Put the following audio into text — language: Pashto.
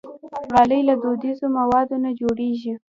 غالۍ له دودیزو موادو نه جوړېږي.